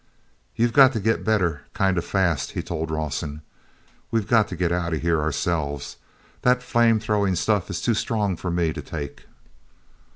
"You've got to get better kind of fast," he told Rawson. "We've got to get out of here ourselves—that flame throwing stuff is too strong for me to take."